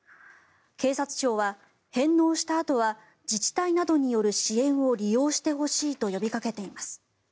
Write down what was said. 警察庁は、返納したあとは自治体などによる支援を利用してほしいと呼びかけています。